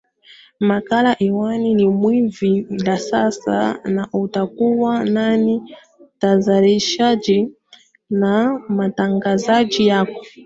makala hewani ni wimbi la siasa na utakuwa nami mtayarishaji na mtangazaji wako